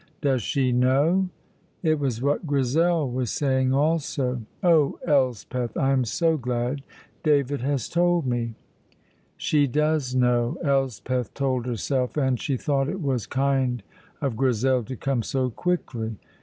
"Does she know?" It was what Grizel was saying also. "Oh, Elspeth, I am so glad! David has told me." "She does know," Elspeth told herself, and she thought it was kind of Grizel to come so quickly.